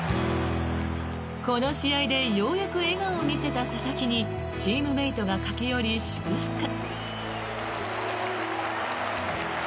この試合でようやく笑顔を見せた佐々木にチームメートが駆け寄り祝福。